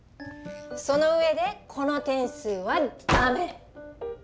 そのうえでこの点数はダメ！